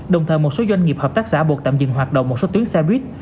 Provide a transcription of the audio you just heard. đồng thời một số doanh nghiệp hợp tác xã buộc tạm dừng hoạt động một số tuyến xe buýt